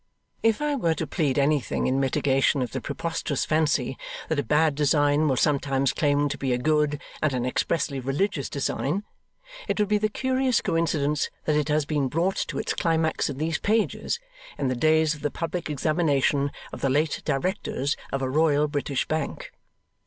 If I were to plead anything in mitigation of the preposterous fancy that a bad design will sometimes claim to be a good and an expressly religious design, it would be the curious coincidence that it has been brought to its climax in these pages, in the days of the public examination of late Directors of a Royal British Bank.